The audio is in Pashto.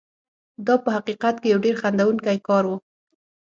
دا په حقیقت کې یو ډېر خندوونکی کار و.